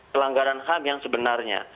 pelanggaran ham yang sebenarnya